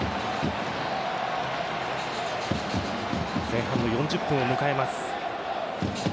前半の４０分を迎えます。